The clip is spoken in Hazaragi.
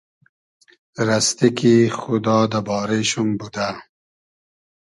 رئستی کی خودا دۂ بارې شوم بودۂ